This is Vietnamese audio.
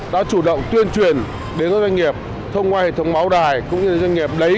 đã chủ động tuyên truyền đến các doanh nghiệp thông qua hệ thống máu đài cũng như doanh nghiệp đấy